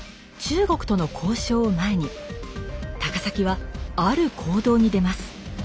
中国との交渉を前に高碕はある行動に出ます。